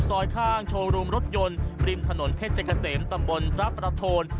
ซอยข้างโชว์รูมรถยนต์ริมถนนเพชรเกษมตำบลพระประโทน